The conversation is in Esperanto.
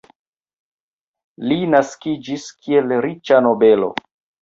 Li naskiĝis, kiel riĉa nobelo.